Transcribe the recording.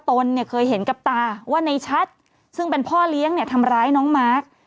ตนเนี่ยเคยเห็นกับตาว่าในชัดซึ่งเป็นพ่อเลี้ยงเนี่ยทำร้ายน้องมาร์ค